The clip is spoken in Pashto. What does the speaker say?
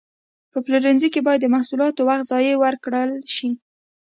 په پلورنځي کې باید د محصولاتو وضاحت ورکړل شي.